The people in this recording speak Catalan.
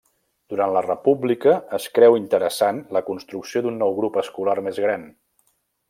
Durant la república es creu interessant la construcció d'un nou grup escolar més gran.